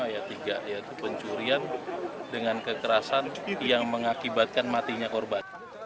ayat tiga yaitu pencurian dengan kekerasan yang mengakibatkan matinya korban